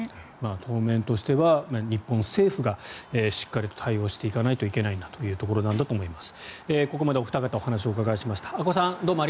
当面としては日本政府がしっかりと対応していかないといけないんだということだと思います。